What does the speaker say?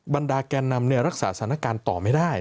บรรดาแกนนำรักษาสถานการณ์ต่อไม่ได้